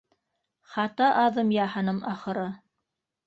Хата аҙым яһаным, ахыры